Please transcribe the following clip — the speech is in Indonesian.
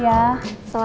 yuk ke sana dokter